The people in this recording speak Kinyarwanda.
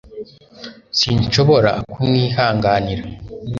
sinshobora kumwihanganira